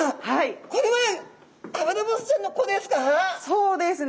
そうですね。